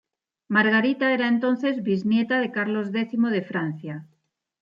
Margarita era entonces bisnieta de Carlos X de Francia.